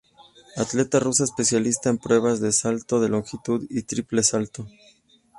Atleta rusa especialista en pruebas de salto de longitud y triple salto.